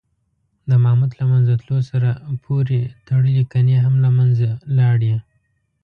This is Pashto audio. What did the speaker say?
د ماموت له منځه تلو سره پورې تړلي کنې هم له منځه لاړې.